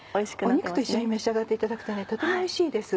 肉と一緒に召し上がっていただくととてもおいしいです。